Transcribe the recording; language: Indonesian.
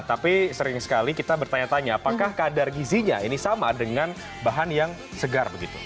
tapi sering sekali kita bertanya tanya apakah kadar gizinya ini sama dengan bahan yang segar begitu